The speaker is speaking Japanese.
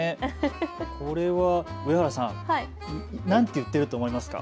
これは上原さん、なんて言ってると思いますか。